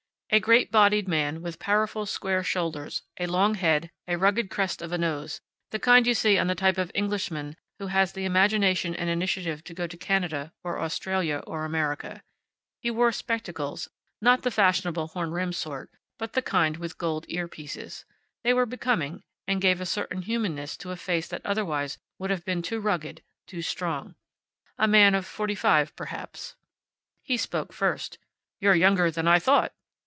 A great bodied man, with powerful square shoulders, a long head, a rugged crest of a nose the kind you see on the type of Englishman who has the imagination and initiative to go to Canada, or Australia, or America. He wore spectacles, not the fashionable horn rimmed sort, but the kind with gold ear pieces. They were becoming, and gave a certain humanness to a face that otherwise would have been too rugged, too strong. A man of forty five, perhaps. He spoke first. "You're younger than I thought."